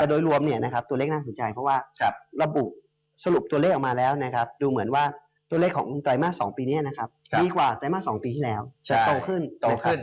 แต่โดยรวมตัวเลขน่าสนใจเพราะว่าระบุสรุปตัวเลขออกมาแล้วนะครับดูเหมือนว่าตัวเลขของไตรมาส๒ปีนี้นะครับดีกว่าไตรมาส๒ปีที่แล้วจะโตขึ้นโตขึ้น